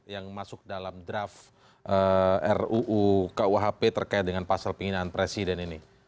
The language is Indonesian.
yang masuk dalam draft ruu kuhp terkait dengan pasal penghinaan presiden ini